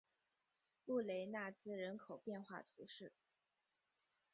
布雷纳兹人口变化图示